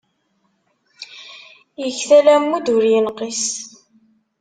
Iktal ammud, ur inqis.